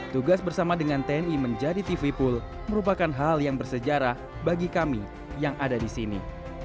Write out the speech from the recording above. tugas bersama dengan tni menjadi tv pool merupakan hal yang bersejarah bagi kami yang ada di sini